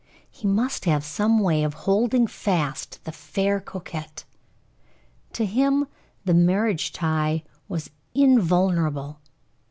He must have some way of holding fast the fair coquette. To him the marriage tie was invulnerable.